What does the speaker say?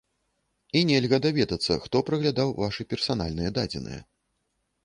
І нельга даведацца, хто праглядаў вашы персанальныя дадзеныя.